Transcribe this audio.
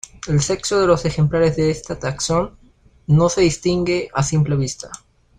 El sexo de los ejemplares de este taxón no se distingue a simple vista.